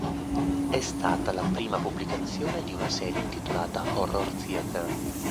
È stata la prima pubblicazione di una serie intitolata "Horror Theater".